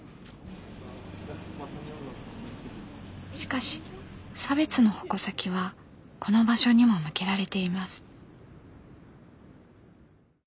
しかし差別の矛先はこの場所にも向けられています。